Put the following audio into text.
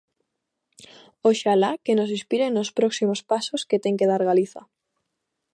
Oxalá que nos inspiren nos próximos pasos que ten que dar Galicia.